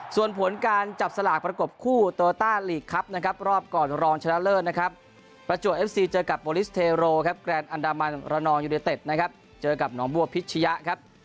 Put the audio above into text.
ส่วนผลการจับสลากประกบคู่โตต้าลีกครับนะครับรอบก่อนรองชนะเลิศนะครับประจวบเอฟซีเจอกับโบลิสเทโรครับแกรนดอันดามันระนองยูเนเต็ดนะครับเจอกับหนองบัวพิชยะครับ